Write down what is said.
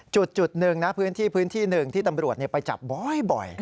จุดหนึ่งนะพื้นที่๑ที่ตำรวจไปจับบ่อย